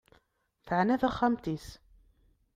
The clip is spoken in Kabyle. Teɛna taxxmat-is.